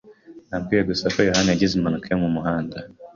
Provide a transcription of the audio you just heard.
Nabwiwe gusa ko yohani yagize impanuka yo mu muhanda.